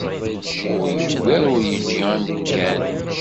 Ur yewwiḍ ur yeǧǧi amekkan.